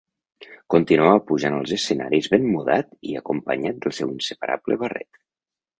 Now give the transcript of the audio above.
Continuava pujant als escenaris ben mudat i acompanyat del seu inseparable barret.